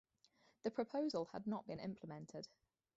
The proposal had not been implemented.